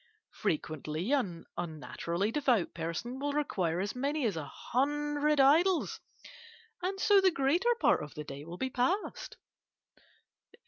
Frequently an unnaturally devout person will require as many as a hundred idols, and so the greater part of the day will be passed.